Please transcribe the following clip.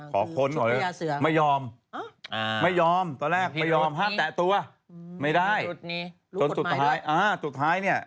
เป็นประหลาดอำเภอ